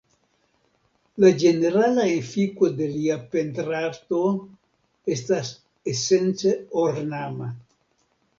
La ĝenerala efiko de lia pentrarto estas esence ornama.